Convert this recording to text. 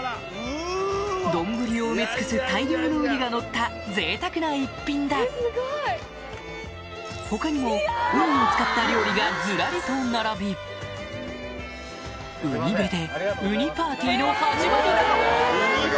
丼を埋め尽くす大量のウニがのった贅沢な一品だ他にもウニを使った料理がずらりと並び海辺でウニパーティーの始まりだ！